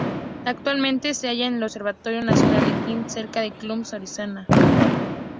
Actualmente se halla en el Observatorio Nacional de Kitt Peak, cerca de Tucson, Arizona.